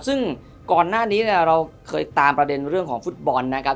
ซึ่งก่อนหน้านี้เนี่ยเราเคยตามประเด็นเรื่องของฟุตบอลนะครับ